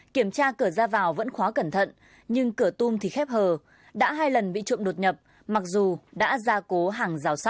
kiểm tra cửa ra vào vẫn khó cẩn thận nhưng cửa tung thì khép hờ đã hai lần bị trộm đột nhập mặc dù đã ra cố hàng rào sắt